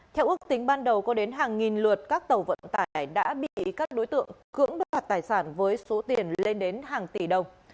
theo ước tính ban đầu có đến hàng nghìn lượt các tàu vận tải đã bị các đối tượng cưỡng đoạt tài sản với số tiền lên đến hàng tỷ đồng